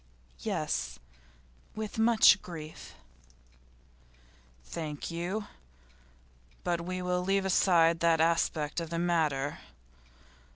'Yes, with much grief.' 'Thank you, but we will leave aside that aspect of the matter.